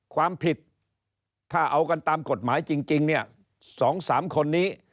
ความผิดถ้าเอากันตามกฎหมายจริงเนี่ย๒๓คนนี้